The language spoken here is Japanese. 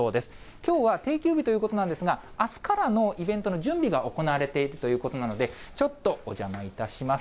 きょうは定休日ということなんですが、あすからのイベントの準備が行われているということなので、ちょっとお邪魔いたします。